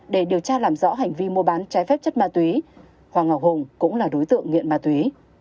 để điều tra làm rõ hành vi mua bán trái phép chất ma túy hoàng ngọc hùng cũng là đối tượng nghiện ma túy